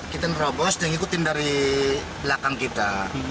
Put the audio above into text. kita merobos dan ikutin dari belakang kita